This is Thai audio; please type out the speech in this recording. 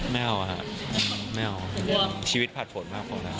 ไม่เอาไม่เอาชีวิตผลัดผลมากของเรา